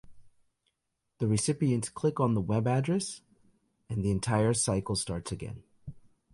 The recipients click on the web address, and the entire cycle starts again.